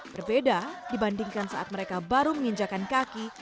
berbeda dibandingkan saat mereka baru menginjakan kaki